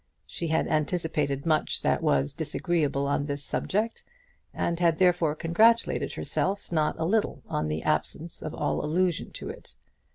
She had anticipated much that was disagreeable on this subject, and had therefore congratulated herself not a little on the absence of all allusion to it.